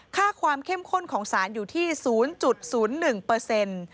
ค่าความเข้มข้นของสารอยู่ที่๐๐๑เปอร์เซ็นต์